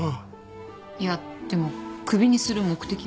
いやでもクビにする目的は？